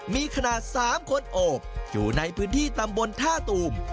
มีขนาด๓คนโอบอยู่ในพื้นที่ตำบลท่าตูม